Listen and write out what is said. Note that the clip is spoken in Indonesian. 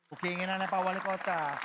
oke inginannya pak wali kota